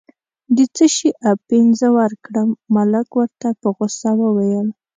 د څه شي اپین زه ورکړم، ملک ورته په غوسه وویل.